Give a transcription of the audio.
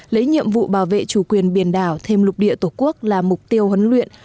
lấy nhiệm vụ bảo vệ chủ quyền biển đảo thêm lục địa tổ quốc là mục tiêu huấn luyện